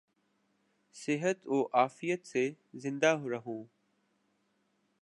صحت و عافیت سے زندہ رہوں